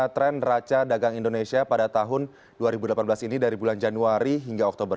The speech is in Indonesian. tren raca dagang indonesia pada tahun dua ribu delapan belas ini dari bulan januari hingga oktober